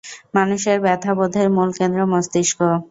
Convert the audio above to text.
মানুষের ব্যাথাবোধের মূল কেন্দ্র মস্তিষ্ক।